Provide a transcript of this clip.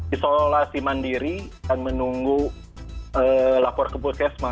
isolasi mandiri dan menunggu lapor keputus asma